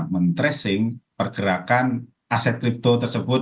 men tracing pergerakan aset kripto tersebut